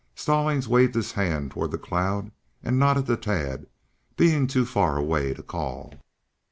Stallings waved his hand toward the cloud and nodded to Tad, being too far away to call.